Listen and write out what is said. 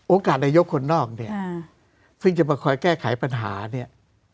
นายกคนนอกเนี่ยซึ่งจะมาคอยแก้ไขปัญหาเนี่ย